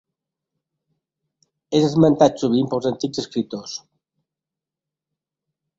És esmentat sovint pels antics escriptors.